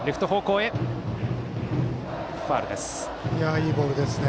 いいボールですね。